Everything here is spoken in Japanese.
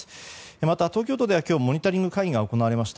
また、東京都では今日モニタリング会議が行われました。